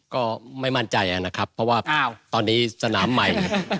ก็ไม่มั่นใจนะครับเพราะว่าตอนนี้สนามใหม่